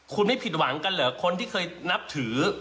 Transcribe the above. คุณไม่ผิดหวังกันเหรอคนที่เคยนับถือ